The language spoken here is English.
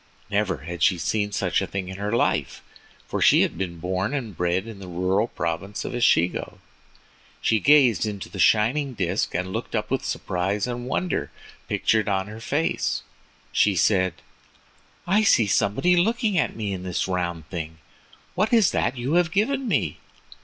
Never had she seen such a thing in her life, for she had been born and bred in the rural province of Echigo. She gazed into the shining disk, and looking up with surprise and wonder pictured on her face, she said: "I see somebody looking at me in this round thing! What is it that you have given me?"